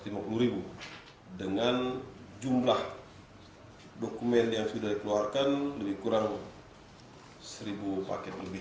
skck harganya rp satu ratus lima puluh dengan jumlah dokumen yang sudah dikeluarkan lebih kurang seribu paket lebih